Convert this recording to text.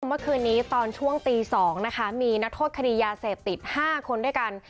เมื่อคืนนี้ตอนช่วงตี๒นะคะมีนักโทษคดียาเสพติด๕คนด้วยกัน